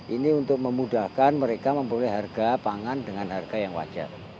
ini untuk memudahkan mereka memperoleh harga pangan dengan harga yang wajar